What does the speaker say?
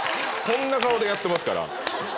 こんな顔でやってますから。